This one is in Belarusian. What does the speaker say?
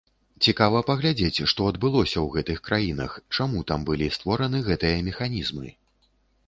Цікава паглядзець, што адбылося ў гэтых краінах, чаму там былі створаны гэтыя механізмы?